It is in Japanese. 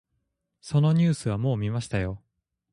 そのニュースはもう見ましたよ。